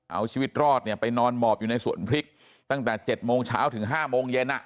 เอาชีวิตรอดเนี่ยไปนอนหมอบอยู่ในสวนพริกตั้งแต่๗โมงเช้าถึง๕โมงเย็น